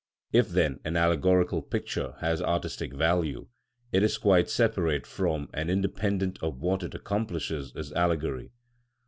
If then an allegorical picture has artistic value, it is quite separate from and independent of what it accomplishes as allegory.